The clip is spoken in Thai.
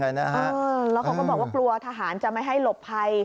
แล้วเขาก็บอกว่ากลัวทหารจะไม่ให้หลบภัย